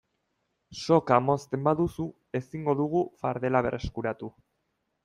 Soka mozten baduzu ezingo dugu fardela berreskuratu.